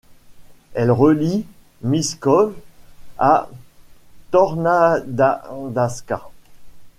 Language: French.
Elle relie Miskolc à Tornanádaska.